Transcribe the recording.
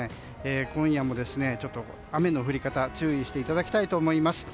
今夜も雨の降り方注意していただきたいと思います。